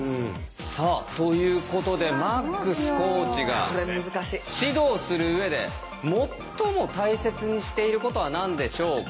さあということでマックスコーチが指導するうえで最も大切にしていることは何でしょうか？